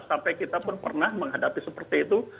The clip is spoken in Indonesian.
sampai kita pun pernah menghadapi seperti itu